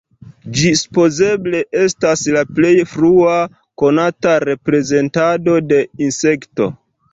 Ĝi supozeble estas la plej frua konata reprezentado de insekto.